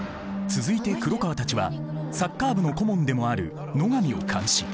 続いて黒川たちはサッカー部の顧問でもある野上を監視。